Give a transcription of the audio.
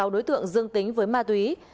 một mươi sáu đối tượng dương tính với ma túy